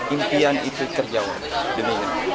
impian itu kerjaan